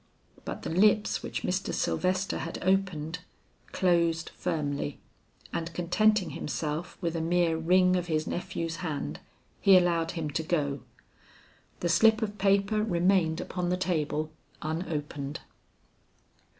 But the lips which Mr. Sylvester had opened, closed firmly, and contenting himself with a mere wring of his nephew's hand, he allowed him to go. The slip of paper remained upon the table unopened.